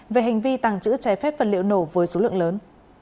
về hành vi tàng trữ trái phép vật liệu nổ với số lượng lớn